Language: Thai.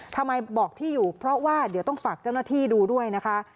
ทำไมบอกที่อยู่เพราะว่าเดี๋ยวต้องฝากเจ้าหน้าที่ดูด้วยนะคะ